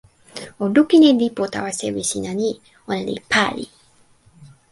o lukin e lipu tawa sewi sina ni: ona li pali.